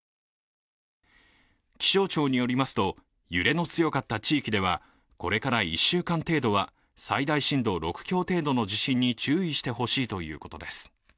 気象庁によりますと揺れの強かった地域ではこれから１週間程度は最大震度６強程度の地震に注意してほしいということです。